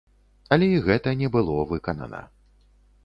Але і гэта не было выканана.